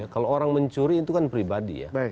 kalau orang mencuri itu kan pribadi ya